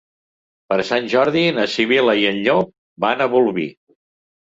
Per Sant Jordi na Sibil·la i en Llop van a Bolvir.